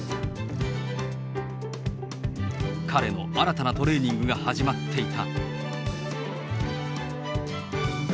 彼の新たなトレーニングが始まっていた。